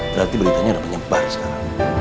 berarti beritanya ada penyebar sekarang